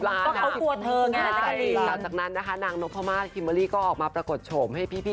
หลังจากนั้นนะคะนางนกพม่าคิมเบอร์รี่ก็ออกมาปรากฏโฉมให้พี่